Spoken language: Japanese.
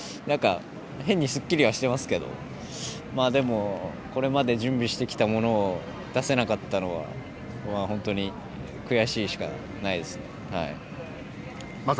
変にすっきりはしてますけどでも、これまで準備してきたものを出せなかったのは本当に悔しいしかないですね。